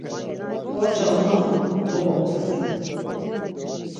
Porça unaxu gogoktsasen.